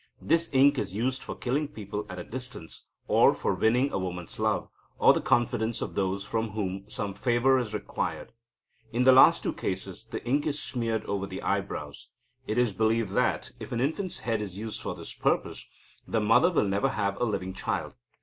This ink is used for killing people at a distance, or for winning a woman's love, or the confidence of those from whom some favour is required. In the last two cases, the ink is smeared over the eyebrows. It is believed that, if an infant's head is used for this purpose, the mother will never have a living child.